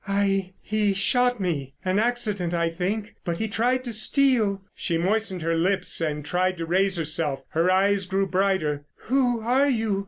"I—he shot me—an accident, I think; but he tried to steal——" She moistened her lips and tried to raise herself. Her eyes grew brighter. "Who are you?"